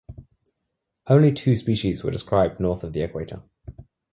Only two species were described north of the equator.